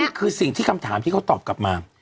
นั่นคือคำถามที่เขาตอบกลับมา